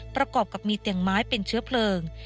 ประกอบกับมีเตียงไม้เป็นเชื้อเพลิง